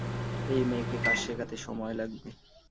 এই মেয়েকে কাজ শেখাতে সময় লাগবে।